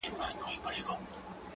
په بازيو کي بنگړي ماتېږي.